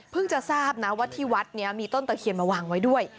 จะทราบนะว่าที่วัดนี้มีต้นตะเคียนมาวางไว้ด้วย